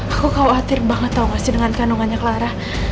aku khawatir banget tau gak sih dengan kandungannya clara